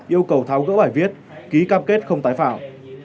yêu cầu tháo gỡ bài viết ký cam kết không tái phạm